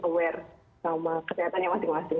aware sama kesehatannya masing masing